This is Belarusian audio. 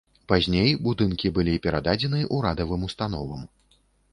Пазней будынкі былі перададзены урадавым установам.